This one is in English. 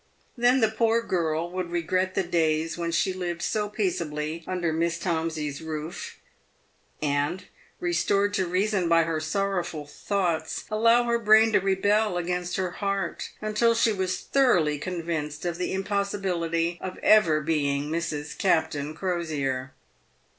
Then the poor girl would regret the days when she lived so peaceably under Miss Tomsey's roof, and, restored to reason by her sorrowful thoughts, allow her brain to rebel against her heart, until she was thoroughly convinced of the impossibility of ever being Mrs. Captain Crosier.